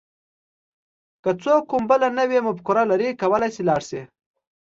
که څوک کومه بله نوې مفکوره لري کولای شي لاړ شي.